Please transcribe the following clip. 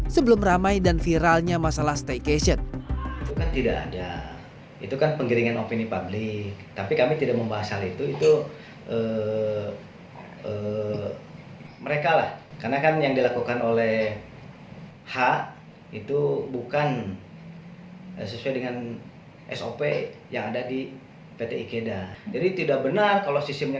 sebelum ramai diberikan perusahaan berkata kata